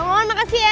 bang maman makasih ya